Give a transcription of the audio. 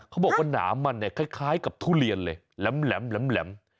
เขาบอกว่าหนามมันคล้ายกับทุเรียนเลยแหลม